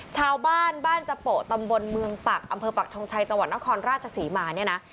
ชาวบ้านบ้านจโปะตำบลเมืองปักอำเภอปักทงชัยจังหวัดนครราชศรีมาเนี่ยนะ